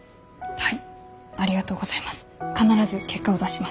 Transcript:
はい。